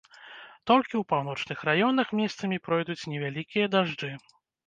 Толькі ў паўночных раёнах месцамі пройдуць невялікія дажджы.